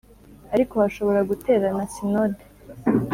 Ariko hashobora guterana Sinode